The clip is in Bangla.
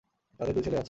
তাদের দুই ছেলে আছে।